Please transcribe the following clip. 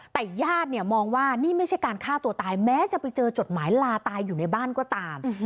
แต่ญาติเนี่ยมองว่านี่ไม่ใช่การฆ่าตัวตายแม้จะไปเจอจดหมายลาตายอยู่ในบ้านก็ตาม